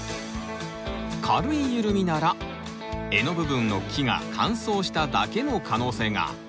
軽い緩みなら柄の部分の木が乾燥しただけの可能性が。